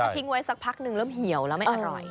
ทิ้งไว้สักพักนึงเริ่มเหี่ยวแล้วไม่อร่อย